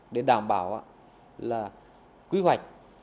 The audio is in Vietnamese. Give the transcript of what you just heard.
để đảm bảo là quy hoạch